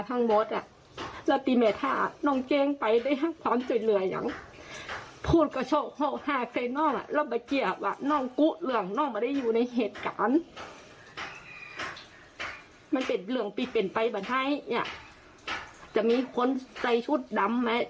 มันเป็นเหลืองปีเป็นไหมใช่จะมีคนใส่ชุดดัมไหม